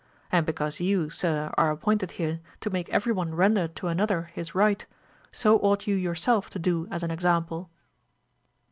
And because you, sir, are appointed here to make every one render to another his right, so ought you yourself to do as an example.